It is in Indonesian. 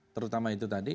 terutama itu tadi